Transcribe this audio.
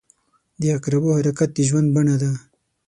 • د عقربو حرکت د ژوند بڼه ده.